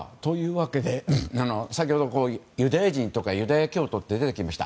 先ほど、ユダヤ人とかユダヤ教徒って出てきました。